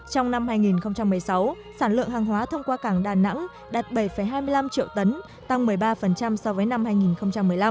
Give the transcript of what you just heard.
trong năm hai nghìn một mươi sáu sản lượng hàng hóa thông qua cảng đà nẵng đạt bảy hai mươi năm triệu tấn tăng một mươi ba so với năm hai nghìn một mươi năm